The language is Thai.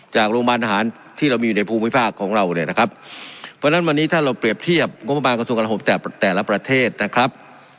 จากโรงพยาบาลอาหารที่เรามีอยู่ในภูมิภาคของเราเนี่ยนะครับเพราะฉะนั้นวันนี้ถ้าเราเปรียบเทียบงบประมาณกระทรวงการห่มแต่แต่ละประเทศนะครับ